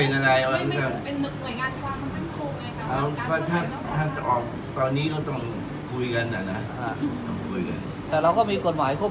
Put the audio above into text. ถ้าดูแล้วแล้วกันเรื่องของคุณภาระท้อพัฒนาชนใหม่จะมีความรุนวาลงมาก